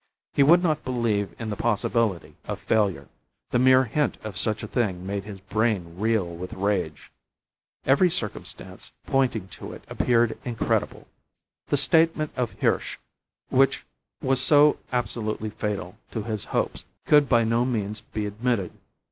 He would not believe in the possibility of failure; the mere hint of such a thing made his brain reel with rage. Every circumstance pointing to it appeared incredible. The statement of Hirsch, which was so absolutely fatal to his hopes, could by no means be admitted.